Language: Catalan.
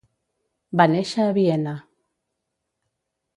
Va néixer a Viena.